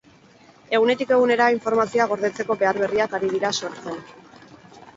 Egunetik egunera, informazioa gordetzeko behar berriak ari dira sortzen.